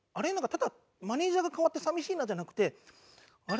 ただマネジャーが変わって寂しいなじゃなくてあれ？